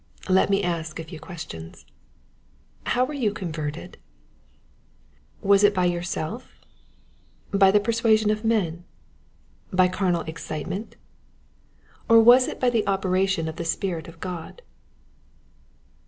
Let me ask a few questions, — How were you converted ? Was it by yourself, by the persuasion of men, by carnal excitement ; or was it by the operation of the Spirit of God